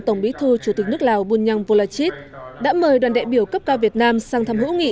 tổng bí thư chủ tịch nước lào bunyang volachit đã mời đoàn đại biểu cấp cao việt nam sang thăm hữu nghị